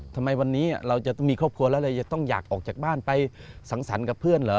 ทำไมวันนี้เราจะมีครอบครัวแล้วเราจะต้องอยากออกจากบ้านไปสังสรรค์กับเพื่อนเหรอ